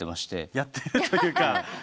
やってるというか。